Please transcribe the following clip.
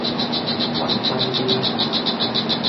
揾真啲